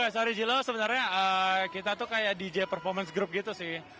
sorry gilo sebenarnya kita tuh kayak dj performance group gitu sih